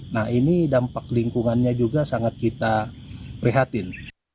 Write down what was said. nah ini dampak lingkungannya juga sangat kita prihatin